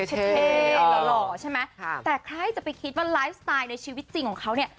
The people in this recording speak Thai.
เท่หล่อใช่ไหมแต่ใครจะไปคิดว่าไลฟ์สไตล์ในชีวิตจริงของเขาเนี่ย